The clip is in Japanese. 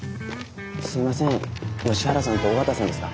すいません吉原さんと尾形さんですか？